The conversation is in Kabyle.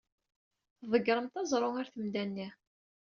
Tḍeggremt aẓru ɣer temda-nni.